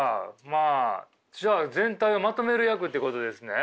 まあじゃあ全体をまとめる役ってことですね？